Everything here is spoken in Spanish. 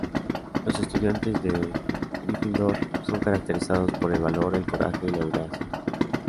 Los estudiantes de Gryffindor son caracterizados por el valor, el coraje y la audacia.